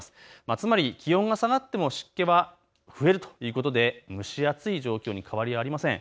つまり気温が下がっても湿気は増えるということで蒸し暑い状況に変わりはありません。